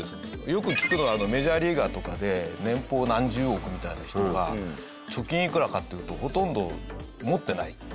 よく聞くのはメジャーリーガーとかで年俸何十億みたいな人が貯金いくらかっていうとほとんど持ってない。